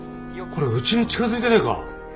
これうちに近づいてねえか？